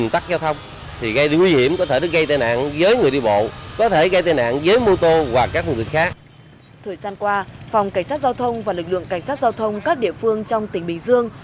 thời gian qua phòng cảnh sát giao thông và lực lượng cảnh sát giao thông các địa phương trong tỉnh bình dương